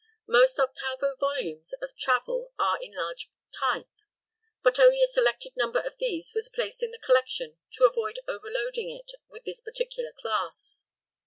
Most octavo volumes of travel are in large type, but only a selected number of these was placed in the collection to avoid overloading it with this particular class.